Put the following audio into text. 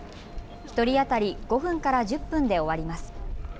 １人当たり５分から１０分で終わります。